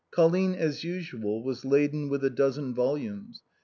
Colline as usual was laden with a dozen volumes.